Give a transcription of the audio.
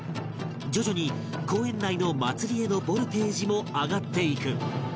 徐々に公園内の祭りへのボルテージも上がっていく